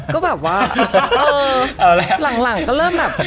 ก็แบบว่าเออหลังก็เริ่มแบบ